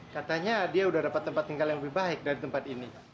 katanya dia udah dapat tempat tinggal yang lebih baik dari tempat ini